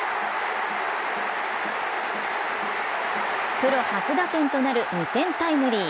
プロ初打点となる２点タイムリー。